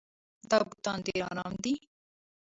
دا بوټان ډېر ارام دي.